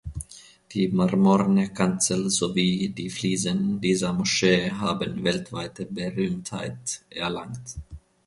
Die marmorne Kanzel sowie die Fliesen dieser Moschee haben weltweite Berühmtheit erlangt.